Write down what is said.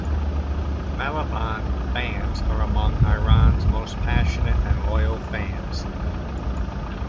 Malavan fans are among Iran's most passionate and loyal fans.